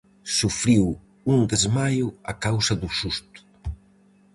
Sufriu un desmaio a causa do susto.